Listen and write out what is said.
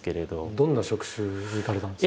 どんな職種にいかれたんですか？